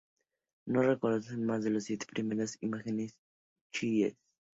No reconocen más que los siete primeros imanes chiíes.